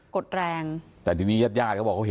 กดเนี่ยเฮ้ยเห็นไม่